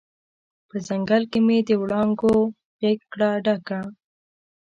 په ځنګل کې مې د وړانګو غیږ کړه ډکه